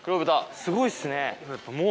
すごいですね。